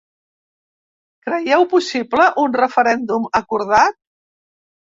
Creieu possible un referèndum acordat?